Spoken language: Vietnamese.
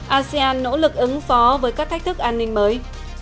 asean nỗ lực ứng phó với các thách thức an ninh mới